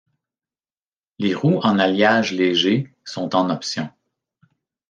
Les roues en alliage léger sont en option.